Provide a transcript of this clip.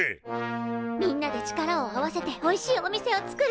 みんなで力を合わせておいしいお店を作る。